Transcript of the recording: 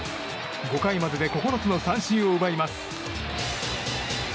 ５回までで９つの三振を奪います。